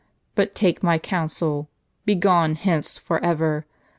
But take my counsel, begone hence forever.